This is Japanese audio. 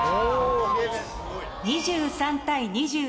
２３対２１。